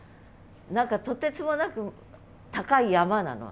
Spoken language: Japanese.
何かとてつもなく高い山なの？